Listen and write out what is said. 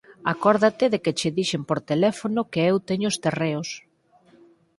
_Acórdate de que che dixen por teléfono que eu teño os terreos...